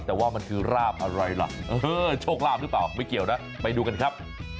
แต่ว่ามันคือราบอะไรล่ะโชคลาภหรือเปล่าไม่เกี่ยวนะไปดูกันครับ